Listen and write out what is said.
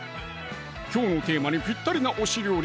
きょうのテーマにぴったりな推し料理